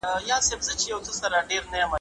محیط پاک ساتل ناروغۍ کموي.